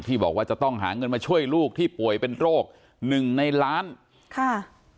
บอกว่าจะต้องหาเงินมาช่วยลูกที่ป่วยเป็นโรคหนึ่งในล้านค่ะ